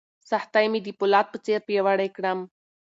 سختۍ مې د فولاد په څېر پیاوړی کړم.